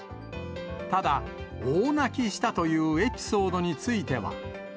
ただ、大泣きしたというエピソードについては。